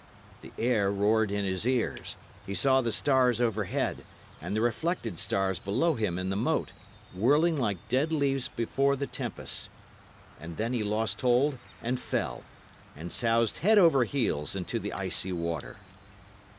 The air roared in his ears; he saw the stars overhead, and the reflected stars below him in the moat, whirling like dead leaves before the tempest. And then he lost hold, and fell, and soused head over ears into the icy water.